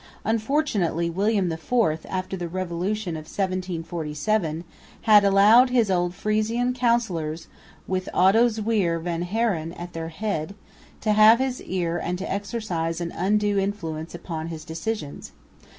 Unfortunately William IV, after the revolution of 1747, had allowed his old Frisian counsellors (with Otto Zwier van Haren at their head) to have his ear and to exercise an undue influence upon his decisions.